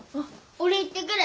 俺行ってくる。